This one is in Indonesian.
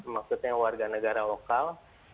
maksudnya warga negara lokal